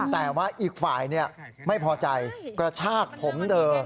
แต่ว่าอีกฝ่ายไม่พอใจกระชากผมเธอ